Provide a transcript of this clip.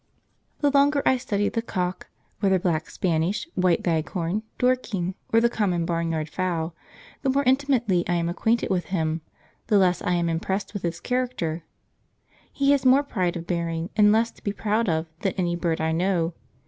jpg} The longer I study the cock, whether Black Spanish, White Leghorn, Dorking, or the common barnyard fowl, the more intimately I am acquainted with him, the less I am impressed with his character. He has more pride of bearing, and less to be proud of, than any bird I know.